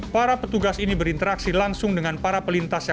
para petugas ini berinteraksi langsung dengan para pelintasnya